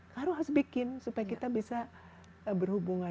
kamu harus bikin supaya kita bisa berhubungan